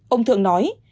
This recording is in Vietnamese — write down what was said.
ông thượng nói